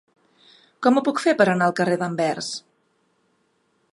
Com ho puc fer per anar al carrer d'Anvers?